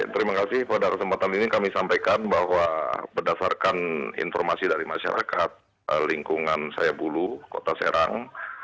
terima kasih pada kesempatan ini kami sampaikan bahwa berdasarkan informasi dari masyarakat lingkungan sayabulu kota serang